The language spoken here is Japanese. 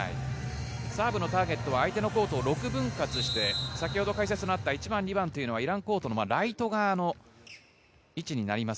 サーブのターゲットは相手のコートを６分割して、先ほど解説のあった１番、２番はイランコートのライト側の位置になります。